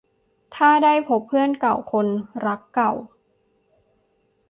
ถ้าได้พบเพื่อนเก่า คนรักเก่า